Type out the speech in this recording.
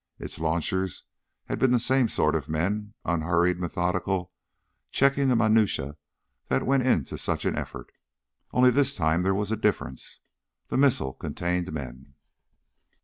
Its launchers had been the same sort of men unhurried, methodical, checking the minutiae that went into such an effort. Only this time there was a difference. The missile contained men.